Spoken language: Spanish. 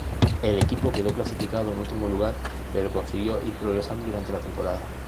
El equipo quedó clasificado en último lugar pero consiguió ir progresando durante la temporada.